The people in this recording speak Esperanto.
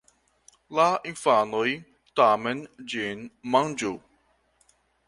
la infanoj tamen ĝin manĝu.